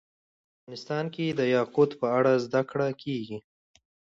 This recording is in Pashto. افغانستان کې د یاقوت په اړه زده کړه کېږي.